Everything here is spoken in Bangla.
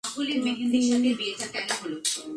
তো আপনি মিমি?